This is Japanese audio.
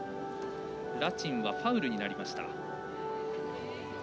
ラチンはファウルになりました。